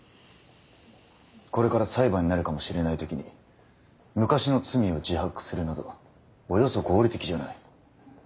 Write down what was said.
これから裁判になるかもしれない時に昔の罪を自白するなどおよそ合理的じゃない。